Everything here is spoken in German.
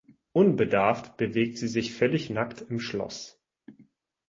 Unbedarft bewegt sie sich völlig nackt im Schloss.